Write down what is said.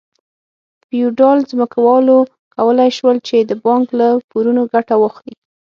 فیوډال ځمکوالو کولای شول چې د بانک له پورونو ګټه واخلي.